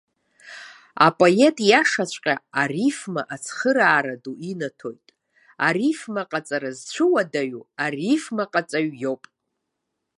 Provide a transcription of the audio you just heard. Апоет иашаҵәҟьа арифма ацхыраара ду инаҭоит, арифмаҟаҵара зцәыуадаҩу арифмаҟаҵаҩ иоуп.